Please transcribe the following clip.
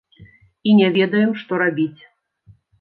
І не ведаем, што рабіць.